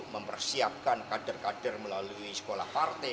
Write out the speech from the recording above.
mempersiapkan kader kader melalui sekolah partai